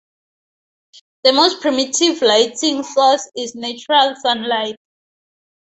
The most primitive lighting source is natural sunlight.